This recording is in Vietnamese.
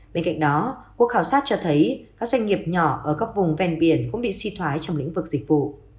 bên cạnh đó cuộc khảo sát cho thấy các doanh nghiệp nhỏ ở các vùng ven biển cũng bị suy thoái trong lĩnh vực dịch vụ